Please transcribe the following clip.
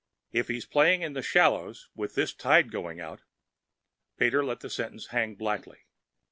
If he's playing in the shallows, with this tide going out...." Pater let the sentence hang blackly.